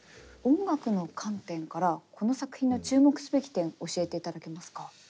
音楽の観点からこの作品の注目すべき点教えていただけますか？